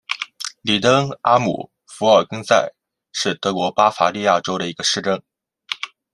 里登阿姆福尔根塞是德国巴伐利亚州的一个市镇。